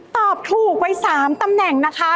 ตอบถูกไป๓ตำแหน่งนะคะ